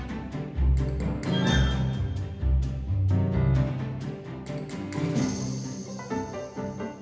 อย่าพึ่งอย่าพึ่งกินเดี๋ยวตาย